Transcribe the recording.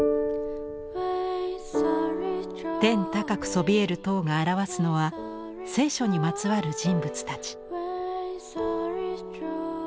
天高くそびえる塔が表すのは聖書にまつわる人物たち。